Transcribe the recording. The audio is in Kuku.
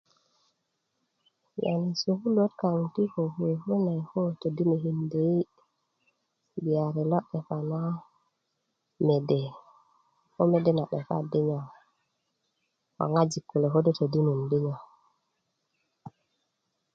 yani sukuluöt kaŋ ti kokuwe kune ko todinkindö yi gbiyari lo'depa na mede ko mede na 'depa di nyo ko ŋojik kulo ko do totondinun di nyo